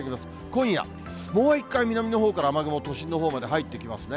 今夜、もう一回、南のほうから雨雲、都心のほうまで入ってきますね。